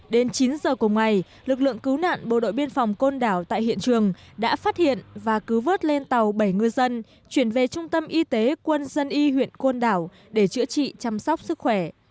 đến chín giờ cùng ngày lực lượng cứu nạn bộ đội biên phòng côn đảo tại hiện trường đã phát hiện và cứu vớt lên tàu bảy ngư dân chuyển về trung tâm y tế quân dân y huyện côn đảo để chữa trị chăm sóc sức khỏe